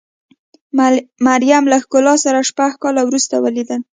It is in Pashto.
مریم له ښکلا سره شپږ کاله وروسته ولیدل.